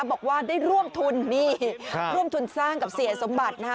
บอกว่าได้ร่วมทุนนี่ร่วมทุนสร้างกับเสียสมบัตินะฮะ